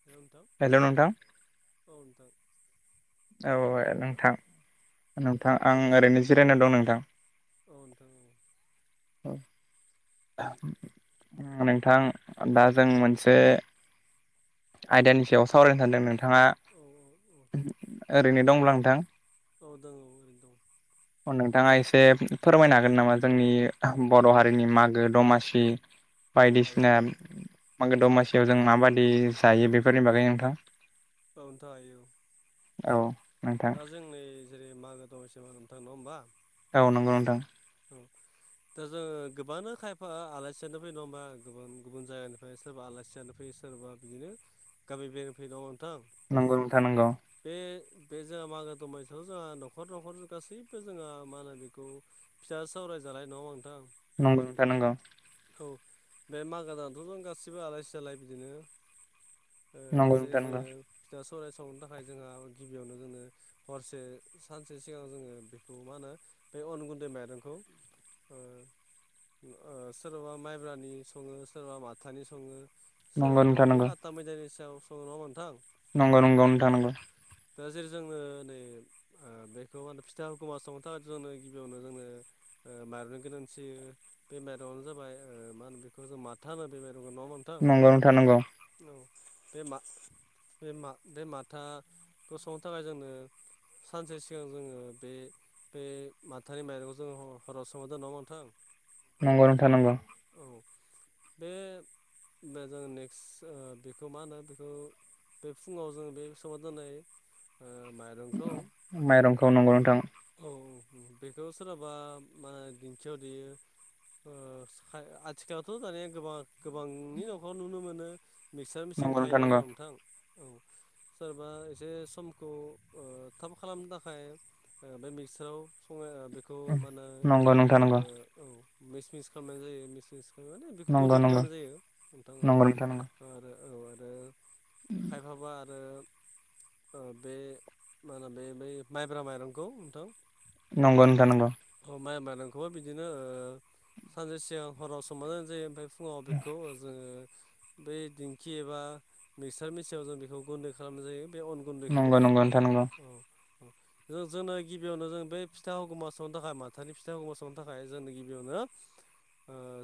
Hello नोंथां hello नोंथां औ नोंथां। औ खोनादों नोंथाङा नोंथां नोंथां आं ओरैनो जिरायनानै दं नोंथां। औ नोंथां औ नोंथां दा जों मोनसे आयदानि सायाव सावरायनो सानदों नों नोंथाङा औ ओरैनो दंब्ला नोंथां। औ दं औ ओरैनो दं। जे फोरमायनो हागोन नामा जोंनि औ औ बर' हारिनि मागो दमासि औ हागोन बायदिसिना नोंथां मागो औ दमासियाव जों माबादि जायो बेफोरनि औ बागै नोंथां। नोंथां हायो औ औ नोंथां दा जों नै जेरै मागो दमसियाव नोंथां नङा होमबा औ नंगौ नोंथां। औ दा जोङो गोबाङानो खायफा आलासियानो फैयो नङा होमबा गुबुन गुबुन जायगानिफ्राय सोरबा आलासियानो फैयो। सोरबा बिदिनो गामि बेराइनो फैयो नङा होमब्ला नोंथां नंगौ नोंथां नंगौ बे बे जोंहा मागो दमासियाव जोंहा न'खर न'खर गासैबो जोङो मा होनो बेखौ फिथा सौराय जानाय नङा होमबा नोंथां। नंगौ नोंथां नंगौ। औ बे मागो दानथ' जों गासिबो आलाय सिलाय बिदिनो जेरै नोंथां नंगौ जोङो फिथा सौराय सावनो थाखाय जोंहा गिबियावनो जोङो हरसे सानसे सिगां जोङो बेखौ मा होनो बे अन गुन्दै माइरंखौ सोरबाबा माइब्रानि सङो सोरबा माथानि सङो नंगौ सोरहाबा नोंथां बिदिनो आता मैदानि सायाव सङो नोंथां नंगौ नंगौ औ नोंथां नंगौ दा जेरै जोङो नै बेखौ मा होनो फिथा हुगमा संनो थाखाय जोंनो गिबियावनो जोंनो माइरंनि गोनांथियो बे माइरंआनो जाबाय मा होनो बेखौ जों माथो होबाय बे माइरं [unintelligible] नङा ओमबा मोनथां नंगौ नंगौ नोंथां नंगौ नोंथां नंगौ नंगौ। बे मा बे माथाखौ संनो थाखाय जोंनो सानसे सिगां जोङो बे बे माथानि माइरं जोंङो हराव समाव दोननांगौ ओमबा नोंथां नंगौ नोंथा नंगौ औ बे जों नेक्स्ट बेखौ मा होनो बेखौ बे फुङाव जों बे समाव दोननाय माइरंखौ औ माइरंखौ नंगौ नोंथां औ बेखौ सोरहाबा मा दिंखियाव देयो आथिखालावथ' दानिया गोबां गोबांनि न'खर नुनो मोनो मिक्सार मेचिन नंगौ थायो नामा नंगौ नोंथां औ सोरबा एसे समखौ थाब खालामनो थाखाय बे मिक्साराव संनाय नंगौ नोंथां नंगौ औ मिस मिस खालामनाय जायो मिसमिस खालाम मे बेखौ नंगौ गन्दो नंगौ खालामनाय जायो नोंथां ओव नंगौ आरो औ आरो खायफाबा आरो बे मा होनो बे बै माइब्रा माइरंखौ नोंथां नंगौ नोंथां नंगौ। अ माइ माइनंखौबो बिदिनो सानसे सिगां हराव सोमना दोननाय जायो ओमफ्राय फुङाव बेखौ जोङो बै दिंखि एबा मिक्सार मेचिनाव जों बेखौ गुन्दै खालामनाय जायो बे अन गुन्दैखौ नंगौ नोंथां नंगौ औ औ जोंनो गिबियावनो जों बे फिथा [unintelligible] संनो थाखाय माथानि फिथा हगुमा संनो थाखाय जोंनि गिबियावनो ओ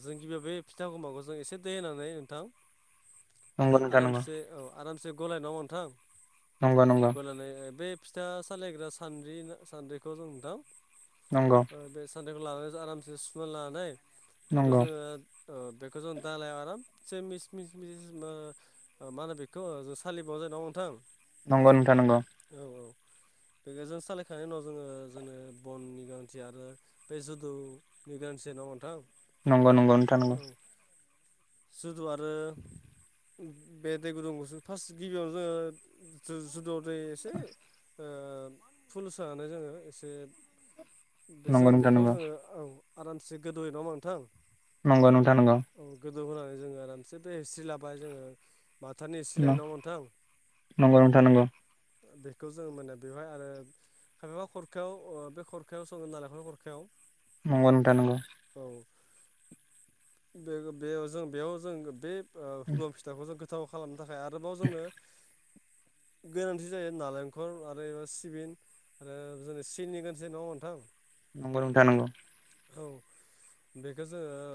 जों गिबियाव बे फिथा हगुमाखौ जों एसे दै होनानै नोंथां नंगौ आरामसे औ आरामसे गलाय नङा नोंथां नंगौ नोंथां गलायनानै बे फिथा सालायग्रा सानद्रि सान्द्रिखौ जों नोंथां नंगौ ओ बे सान बेखौ लानानैसो आरामसे सुना लानाय बेखौ नंगौ जोङो बेखौ जों दालायाव आराम एसे मिस मिस मिस मा होनो बेखौ जों सालिबावनाय जायो नङा ओमबा नोंथां नंगौ नोंथां नंगौ औ बेखौ जों सालायखांनायनि उनाव जोङो जोङो बननि गोनांथि आरो बे जुदौनि गोनांथि जायो नङा ओमबा नोंथां नंगौ नंगौ नोंथां नंगौ जोदु आरो बे दै गुदुंखौसो फार्स्ट गिबियावनो जोङो जुदु जुदुआव ब्रै एसे ओ फुल सानै जोङो एसे बे नंगौ जोङो नोंथां बेखौ नंगौ जोङो औ आरामसे गोदौयै नङा ओमबा नोंथां नंगौ नोंथां नंगौ गोदौ होनानै जोङो आरामसे बे हिस्रि लाबाय जोङो माथानि हिस्रि लायो नङा ओमबा नोंथां औ नंगौ नोंथां नंगौ नोंथां नंगौ बेखौ जों माने बेवहाय आरो खायफा खरखायाव ओ बे खर खरखायाव सङो नालेखरनि खरखायाव नंगौ नोंथां नंगौ औ बे बेयाव जों बेयाव जों बे हुगुमा फिथाखौ जों गोथाव खालामनो थाखाय आरोबाव जोंनो गोनांथि जायो नारेंखल आरो एबा सिबिन आरो जों सिनि गोनांथि नङा ओमबा नंगौ नोंथां नंगौ औ बेखौ जोङो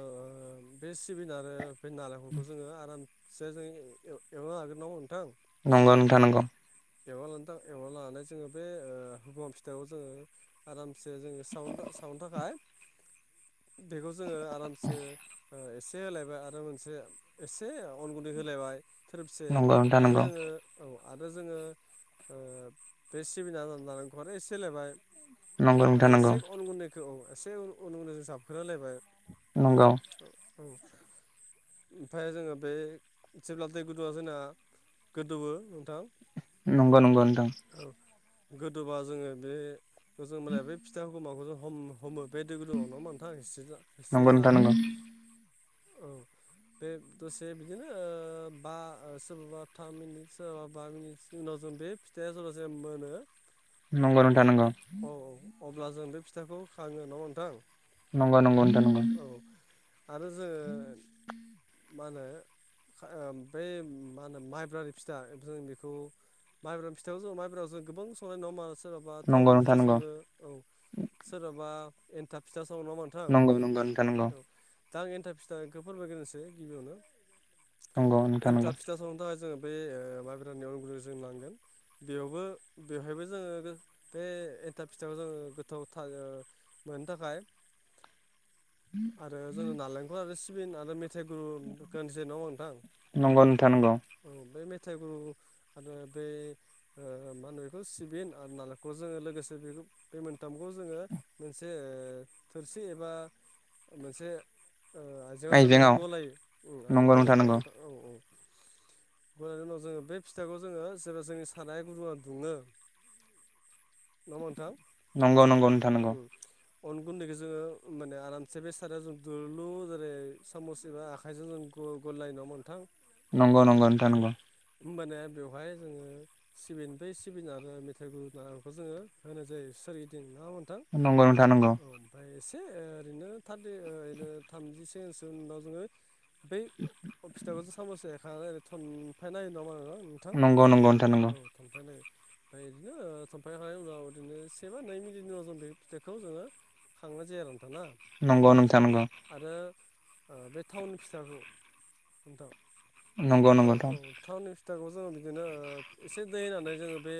बे सिबिन आरो बे नालेंखरखौ जोङो आरामसे जो एवना लाग्रोनांगौ नोंथां नंगौ नोंथां नांगौ एवना लाना थां एवना लानानै जोङो बे हुमा फिथायाव जोङो आरामसे जोङो सावनो सावनो थाखाय बेखौ जोङो आरामसे एसे होलायबाय आरो मोनसे एसे अन गुन्दै होलायबाय थोरोबसे नंगौ नोंथां आरो नंगौ जोङो औ आरो जोङो ओ बे सिबिन आरो नालेंखर एसे होलायबाय नंगौ नोंथां आरो नंगौ एसे अन गुनैखौ औ एसे अन गुैनदैजों जाबखोलायबाय नंगौ औ ओमफ्राय जोङो बे जेब्ला दै गुदुआ जोंना गोदौवो नोंथां नंगौ नंगौ नोंथां गोदौबा जोङो बे जों माने बे फिथा होगुमाखौ जों हम हमो बे दै गुदुङाव नो मानि थाखाय हि हिस्रि नंगौ लानानै औ बे दसे बिदिनो बा सोरबाबा थाम मिनिट सोरबाबा बा मिनिट उनाव जों बे फिथाइया [unintelligible] मोनो नंगौ नोंथां नंगौ औ औ अब्ला जों बे फिथाखौ खाङो नङा होमबा नोंथां नंगौ नंगौ नोंथां नंगौ औ आरो जोङो [unintelligible] मा होनो ओ बै मा होनो माइब्रानि फिथा जों बेखौ माइब्रा फिथा जों माइब्रा जों गोबां सङो नङा होमबा सोरहाबा थावनि फिथा सङो औ सोरहाबा एन्थाब फिथा सङो नङा होमबा नोंथां नंगौ नंगौ नोंथां नंगौ औ दा एन्थाब फिथाखो फोरमायग्रोनोसै गिबियावनो। नंगौ नोंथां नंगौ एन्थाब फिथा संनो थाखाय जोङो बे ओ माइब्रा [unintelligible] जों नांगोन बेयावबो बेवहायबो जोङो बे एन्थाब फिथाइखौ जोङो गोथाव था ओ मोननो थाखाय आरो जोङो नारेंखल आरो सिबिन आरो मे थाइगुरु गोन जे नङा होमबा नोंथां नंगौ नोंथां नंगौ औ बे मे थाइ गुर आरो बे ओ मा होनो बेखौ सिबिन आरो नालें खौ जोङो लोगोसे बे बे मोनथामखौ जोङो मोनसे ओ थोरसि एबा मोनसे ओ आइजेंआव जों बेखौ गलायो उम नंगौ गलायो नङा होमबा नंगौ नोंथां औ औ। [inaudible] बोनि उनाव जोङो बे फिथाखौ जोङो जेब्ला जोंनि साराय गुदुंआ दुङो नङा होमबा नोंथां। नंगौ नंगौ नोंथां नंगौ। उम अन गुन्दैखौ जोङो माने आरामसे बे सारायाव जों दुलुर लुर जेरै सामस एबा आखाइजों जों गु गुल गुलायो नङा होमबा नोंथां नंगौ नंगौ नोंथां औ नंगौ। होमबानिया बेवहाय जोङो सिबिन बै सिबिन आरो मेथाइ गुर नालेंखौ जोङो होनाय जायो सोरगिदिं नङा होमबा नोंथां नंगौ नोंथां नंगौ ओमफाय से ओरैनो थारथि ओरैनो थामजिसेसो उनाव जोङो बै फिथाखौसो साम'स एखनानै ओरै थनफाय ना होयो नङा होमबा नोङो नंगौ नंगौ नोंथां नंगौ। फाय इदिनो ओ थनफायखांनायनि उनाव बिदिनो से बा नै मिनिटनि उनाव बे फिथाखौ जोङो खांनाय जायो आरो ना नंगौ नंगौ नोंथां नंगौ आरो ओ बे थावनि फिथाखौ एनथाब नंगौ नोंथां नंगौ नोंथां थाउननि औ फिथाखौ जोङो बिदिनो ओ एसे दै होनानै जोङो बे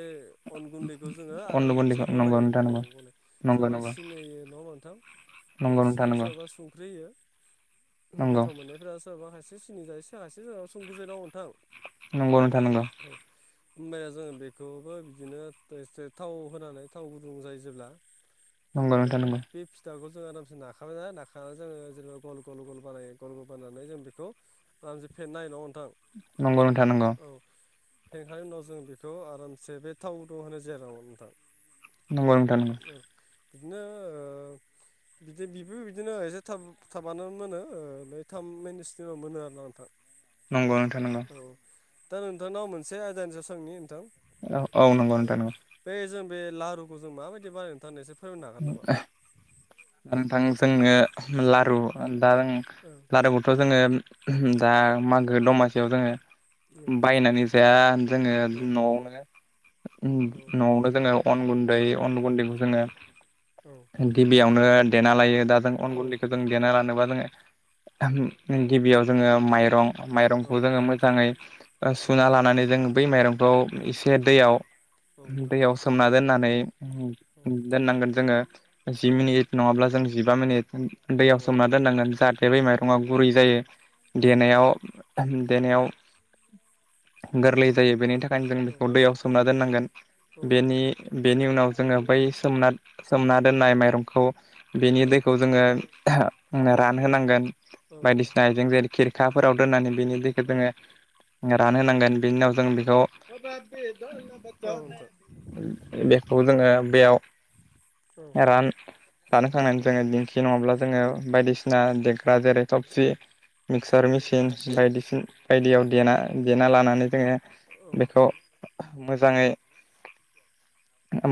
अन गुन्दै खौ जोङो अन आरामसे गुन्दैखौ नंगौ गलायो नोंथां औ नंगौ गलायो नंगौ सोरबा नंगौ सिनि होयो। नङा होमबा नोंथां? बे नंगौ नोंथां सिनि नंगौ सोरबा संख्रि होयो नंगौ गोथाव मोननायफ्रा सोरबा खायसे सिनि जायो सोरबा खायसे संख्रि जायो नङा होमबा नोंथां नंगौ नोंथां नोंगौ। होनबाया जोङो बेखौबो बिदिनो एसे थाव होनानै थाव गुदुं जायो जेब्ला नंगौ माने नोंथां बे नंगौ बे फिथाखौ जों आरामसे नाखाबाय जाया नाखानानै जोङो जेनेबा गल गल गल बानायो गल गल बानायनानै जों बेखौ आरामसे [unintelligible] नंगौ नोंथां नंगौ। फेंखांनायनि उनाव जों बेखौ आरामसे बे थाव गुदुं होनाय जायगायाव नोंथां नंगौ नोंथां नंगौ औ बिदिनो ओ बिदि बिबो बिदिनो एसे थाब थाबानो मोनो ओ ब्रै थाम मिनिटसोनि उनाव मोनो आरोना नोंथां। नंगौ नोंथां नंगौ। औ दा नोंथांनाव मोनसे आयदानि सोंनि नोंथां औ औ नंगौ नोंथां नंगौ बे जों बे लारुखौ जों माबायदि बानायनो नोंथां [unintelligible] [unintelligible] नोंथां जोंनो लारु ओम दारों बेनि लारुखौथ' जोङो दा मागो दमासियाव जोङो बायनानै जाया जोङो औ औ न'वावनो न'वावनो जोङो अन गुन्दै अन गुन्दैखौ जोङो औ गिबियावनो देना लायो दा जों अन गुन्दैखौ जों देना लानोबा जोङो गिबियाव जोङो माइरं माइरंखौ जोङो मोजाङै ओ औ सुना लानानै जों बै माइरंफोराव एसे औ दैयाव नोंथां दैयाव सोमना दोननानै औ दोननांगोन। ओ औ जि औ मिनिट नङाब्ला जों जिबा मिनिट औ दैयाव सोमना दोननांगोन जा थे बै माइरङा गुरै जायो औ नोंथां देनायाव देनायाव गोरलै औ जायो बेनि थाखायनो जों औ बेखौ दैयाव सोमना दोननांगोन बेनि नोंथां औ बेनि उनाव जोङो बै सोमना सोमना दोननाय माइरंखौ बेनि दैखौ जोङो रान होनांगोन औ बायदिसिना आइजें जेरै खिरखाफोराव दोननानै बिनि दैखौ जोङो औ नोंथां औ रानहोनांगोन बिनि उनाव जों बेखौ नोंथां औ बेखौ जोङो बेयाव रान- रानखांनानै जोङो दिंखि नङाब्ला जोङो बायदिसिना ना देग्रा जेरै थफसि मिक्सार मेसिन बायदिसिन बायदियाव देना देना लानानै जोङो बेखौ मोजाङै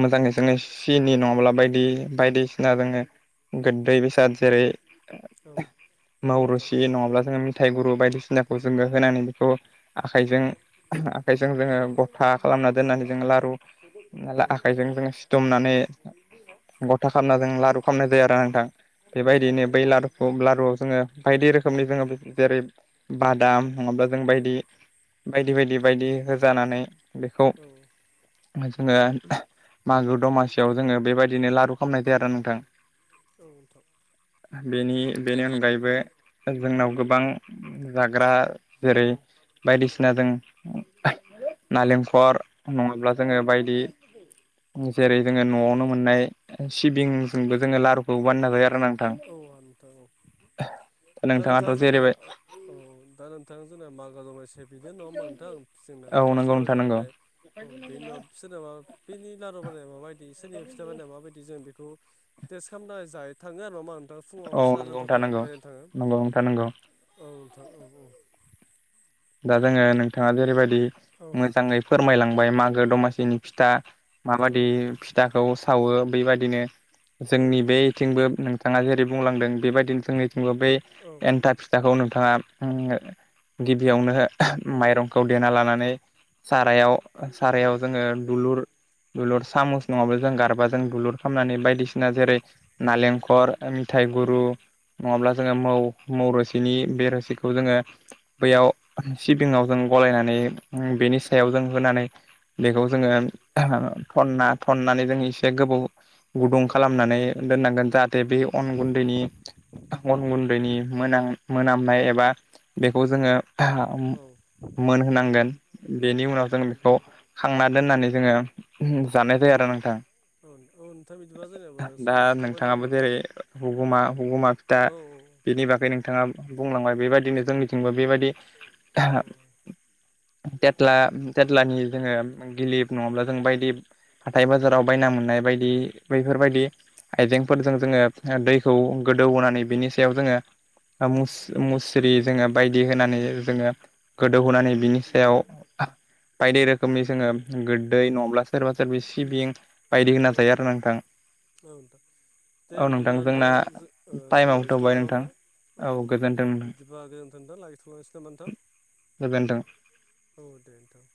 मोजाङै जोंङो सिनि नङा ब्ला बायदि बायदिसिना जोङो गोदै बेसाद जेरै मावरुसि नङाब्ला जोङो फिथाइ गुरु बायदिसिनाखौ जोङो होनानै बेखौ आखाइजों आखाइजों जोङो गफा खालाम ना दोननानै जों लारु नालाय आखाइजों जों सिथुमनानै गथा खालामना जों लारु खालामनाय जायो आरो नोंथां बेबायदिनो बै लारुखौ लारुवाव जोङो बायदि रोखोमनि जोङो जेरै बादाम नङाब्ला जों बायदि बायदि बायदि बायदि होजानानै बेखौ जोङो मागो दमासियाव जोङो बेबायदिनो लारु खालामनाय जायो आरो नोंथां बेनि बेनि अनगायैबो जोंनाव गोबां जाग्रा जेरै बायदिसि सिना जों नालेंखर नङाब्ला जोङो बायदि जेरै जोङो न'वावनो मोननाय सिबिंजोंबो जोङो लारुखौ बानायना लायो आरो ना थां औ नोंथां औ [unintelligible] दा नोंथाङा जोंनिया औ दा नोंथाङा जोंना मागो दमासि बिदिनो नङा होमबा नोंथां जोंना औ फिथा नंगौ सौराइ नोंथां नंगौ जालायनाय औ बेनि उनाव सोरनाबा बेनि लारु बानायनाया माबायदि सोरनि फिथा बानाया माबायदि जों बेखौ टेस्ट खामना जायो थाङो आरो नङा होनबा ओ औ फुङाव सा नंगौ लोंथाव नोंथां थाव नंगौ बेरायनो थाङो नंगौ नोंथां नंगौ औ औ औ औ दा जोङो नोंथाङा जेरैबायदि औ नोंथां औ मोजाङै फोरमायलांबाय मागो दमासिनि फिथा माबादि फिथाखौ सावो बेबादिनो औ जोंनि नोंथां बेथिंबो बिथाङा जेरै बुंलांदों बेबायदिनो जोंनिथिंबो बै औ एन्थाब फिथाखौ नु- नोंथाङा उम गिबियावनो औ माइरंखौ देना लानानै सारायाव औ सारायाव जोङो दुलुर दुलुर सामुस नङाबा जों गारबाजों दुलुर खालामनानै बायदि- सिना जेरै नालेंखर मिथाइ गुरु नङाब्ला जोङो मौ मौरोसिनि बे रोसिखौ जोङो बैयाव सिबिंआव जों गलायनानै उम बेनि सायाव जों होनानै बेखौ जोङो थनना थननानै जों एसे गोबाव गुदुं खालामनानै दोननांगोन ते बे अन गुन्दैनि अन गुन्दैनि मोनां मोनामनाय एबा बे- खौ जोङो औ मोनहोनांगोन बेनि उनाव जों बेखौ खांना दोननानै जोङो जानाय जायो आरोना नोंथां औ औ नोंथां बिदिबा जोंनियाबो दा समा एसे थौबाय नङा नोंथाङाबो होमबा नोंथां जेरै हुगुमा हुगुमा फिथा औ औ बिनि बागै नोंथाङा बुंलांबाय बेबायदिनो जोंनिथिंबो बेबायदि थेथला तेथ्लानि जोङो गिलिप नङाब्ला जों बायदि हाथाय बाजाराव बायना मोननाय बायदि बैफोरबायदि आइजेंफोरजों जोङो दैखौ गोदौ होनानै बिनि सायाव जोङो ओ औ मुस औ मुस्रि जोंङो होनानै जोङो गोदौहोनानै बिनि सायाव बायदि रोखोमनि जोङो गोददै नङाब्ला सोरबा सोरबि सिबिं बायदि औ होना जायो आरोना नोंथां। नोंथां दे औ बिदिब्ला नोंथां जोंना जो ओ टाइमाव समाव एसे थौबाय थाबाय नङा नोंथां होमबा औ बिदिबा गोजोन्थो दा लागिथ'लांसै नामा नोंथां गोजोन्थों औ दे नोंथां।